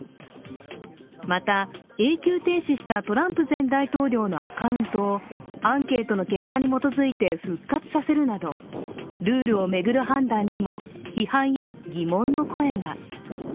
また、永久停止したトランプ前大統領のアカウントをアンケートの結果に基づいて復活させるなどルールを巡る判断にも批判や疑問の声が。